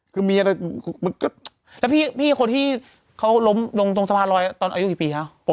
คือมีอะไรแล้วพี่คนที่เขาล้มลงตรงสะพานลอยตอนอายุกี่ปีคะ